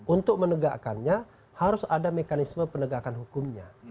untuk menegakkannya harus ada mekanisme penegakan hukumnya